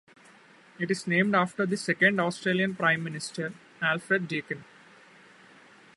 It is named after the second Australian Prime Minister, Alfred Deakin.